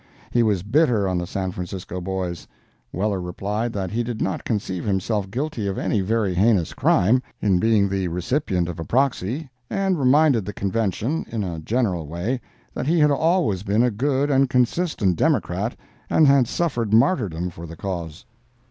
He was bitter on the San Francisco boys. Weller replied that he did not conceive himself guilty of any very heinous crime, in being the recipient of a proxy, and reminded the Convention, in a general way, that he had always been a good and consistent Democrat, and had suffered martyrdom for the cause.